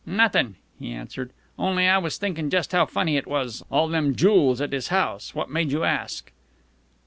"Nothin'," he answered. "Only I was thinkin' just how funny it was all them jools at his house. What made you ask?"